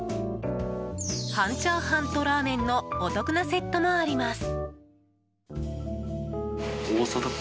半チャーハンとラーメンのお得なセットもあります。